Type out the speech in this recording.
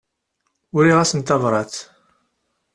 Uriɣ-asen tabrat.